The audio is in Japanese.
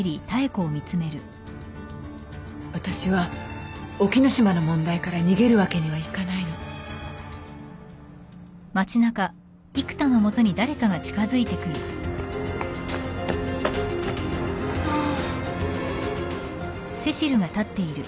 私は沖野島の問題から逃げるわけにはいかないの。・あっ。